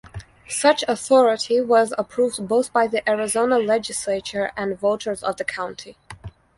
Such authority was approved both by the Arizona Legislature and voters of the county.